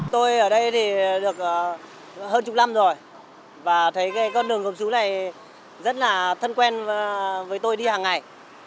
tôi ở đây thì được hơn chục năm rồi và thấy con đường gốm xứ này rất là thân quen với tôi đi hàng ngày